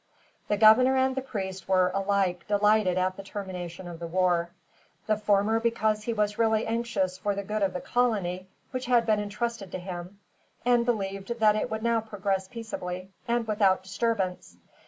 The governor and the priest were, alike, delighted at the termination of the war; the former because he was really anxious for the good of the colony which had been entrusted to him, and believed that it would now progress peaceably, and without disturbance.